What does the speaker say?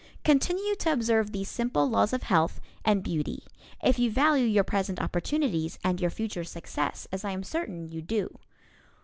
Continue to observe these simple laws of health and beauty, if you value your present opportunities and your future success, as I am certain you do.